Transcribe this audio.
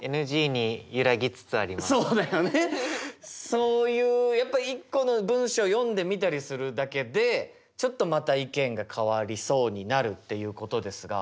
そういうやっぱ一個の文章読んでみたりするだけでちょっとまた意見が変わりそうになるっていうことですが。